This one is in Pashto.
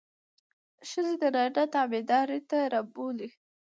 ښځې د نارينه تابعدارۍ ته رابولي.